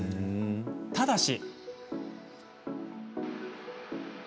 ただし。